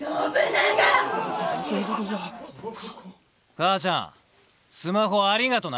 母ちゃんスマホありがとな。